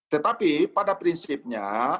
tetapi pada prinsipnya